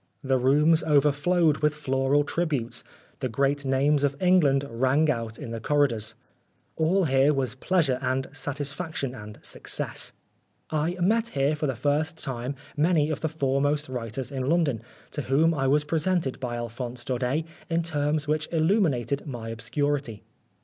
The rooms overflowed with floral tributes, the great names of England rang out in the corridors. All here was pleasure and satisfaction and success. I met here for the first time many of the fore most writers in London, to whom I was presented by Alphonse Daudet in terms which illuminated my obscurity.